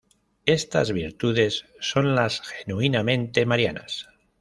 Estas virtudes son las genuinamente marianas.